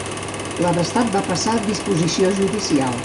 L'arrestat va passar a disposició judicial.